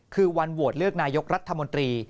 คือวันโหวตเลือกนายกรัฐมนตรี